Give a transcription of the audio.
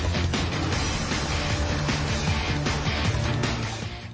คือเรื่องนั้นเนี่ยเป็นเรื่องของการทำ